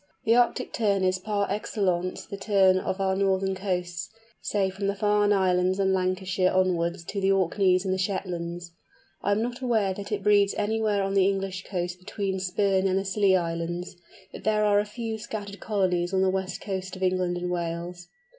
The Arctic Tern is par excellence the Tern of our northern coasts, say from the Farne Islands and Lancashire onwards to the Orkneys and the Shetlands. I am not aware that it breeds anywhere on the English coast between Spurn and the Scilly Islands, but there are a few scattered colonies on the west coast of England and Wales.